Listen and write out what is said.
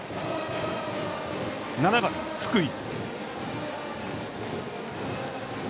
７番福井。